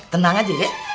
tenang aja deh